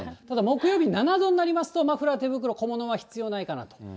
ただ木曜日に７度になりますと、マフラー、手袋、小物は必要ないかなと。